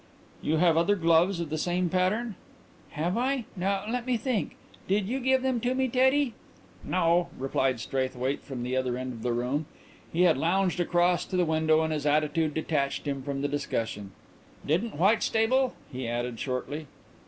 "You have other gloves of the same pattern?" "Have I? Now let me think! Did you give them to me, Teddy?" "No," replied Straithwaite from the other end of the room. He had lounged across to the window and his attitude detached him from the discussion. "Didn't Whitstable?" he added shortly.